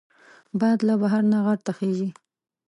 باد له بحر نه غر ته خېژي